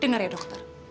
dengar ya dokter